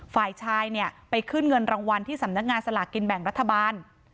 ฝ่ายชายเนี่ยไปขึ้นเงินรางวัลที่สำนักงานสลากกินแบ่งรัฐบาล